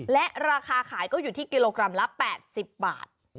และราคาขายก็อยู่ที่กิโลกรัมละ๘๐บาท